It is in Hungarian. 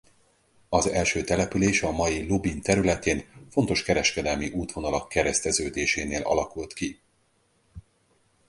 Az első település a mai Lubin területén fontos kereskedelmi útvonalak kereszteződésénél alakult ki.